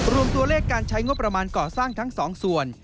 รวมตัวเลขการใช้งบประมาณก่อสร้างทั้งสองส่วน